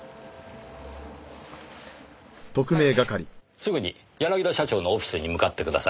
すぐに柳田社長のオフィスに向かってください。